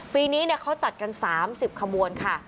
ปีนี้เนี่ยเขาจัดกันสามสิบขบวนค่ะ